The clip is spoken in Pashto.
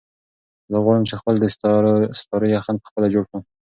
زه غواړم چې خپل د ستارو یخن په خپله جوړ کړم.